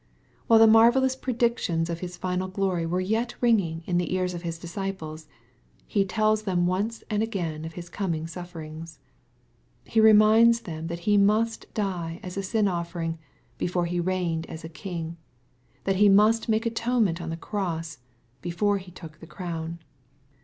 While the marvellous predictions of His final glory were yet ringing in the ears of His disci i pies, He tells them once and again of His coming sufierings. He reminds them that He must die as a sin offering before He reigned as a king, — ^that He must make atonement on the cross, before he took the crown.